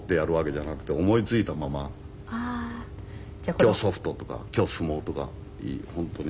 今日ソフトとか今日相撲とか本当に。